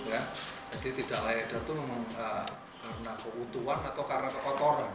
jadi tidak layak edar itu karena keutuhan atau karena kekotoran